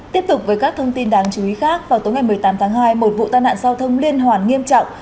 tiếp tục với các thông tin đáng chú ý khác vào tối ngày một mươi tám tháng hai một vụ tai nạn giao thông liên hoàn nghiêm trọng